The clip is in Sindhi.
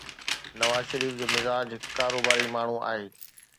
نواز شريف جو مزاج هڪ ڪاروباري ماڻهو آهي.